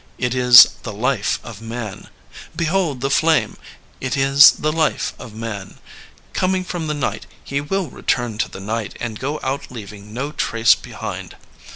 It is the life of Man. Behold the flame — ^it is the life of Man. ... Coming from the night he will return 26 LEONID ANDREYEV to the night and go out leaving no trace behind.